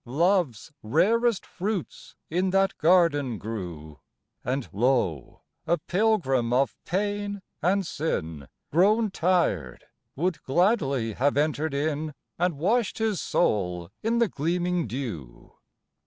Love's rarest fruits in that garden grew, And lo! a Pilgrim of pain and sin Grown tired, would gladly have entered in, And washed his soul in the gleaming dew.